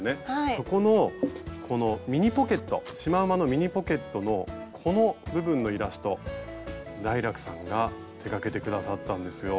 そこのこのミニポケットシマウマのミニポケットのこの部分のイラストダイラクさんが手がけて下さったんですよ。